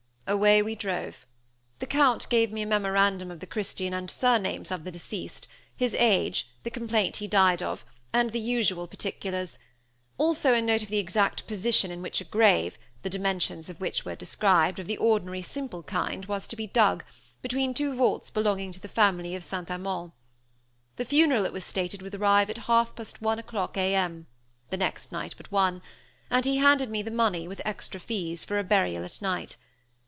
Away we drove. The Count gave me a memorandum of the Christian and surnames of the deceased, his age, the complaint he died of, and the usual particulars; also a note of the exact position in which a grave, the dimensions of which were described, of the ordinary simple kind, was to be dug, between two vaults belonging to the family of St. Amand. The funeral, it was stated, would arrive at half past one o'clock A.M. (the next night but one); and he handed me the money, with extra fees, for a burial by night.